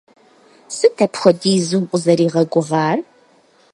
Сыт апхуэдизу укъызэригъэгугъар?